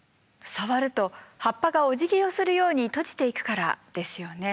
触ると葉っぱがおじぎをするように閉じていくからですよね。